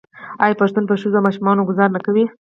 آیا پښتون په ښځو او ماشومانو ګذار نه کوي؟